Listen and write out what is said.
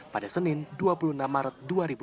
pada senin dua puluh enam maret dua ribu dua puluh